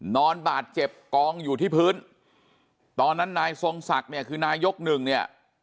นอนบาดเจ็บกองอยู่ที่พื้นตอนนั้นนายทรงศักดิ์เนี่ยคือนายกหนึ่งเนี่ย